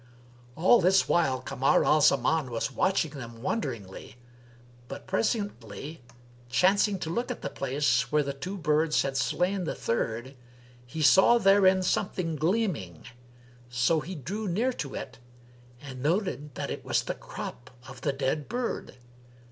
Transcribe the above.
All this while Kamar al Zaman was watching them wonderingly; but presently, chancing to look at the place where the two birds had slain the third, he saw therein something gleaming. So he drew near to it and noted that it was the crop of the dead bird.